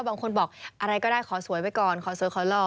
บางคนบอกอะไรก็ได้ขอสวยไว้ก่อนขอสวยขอหล่อ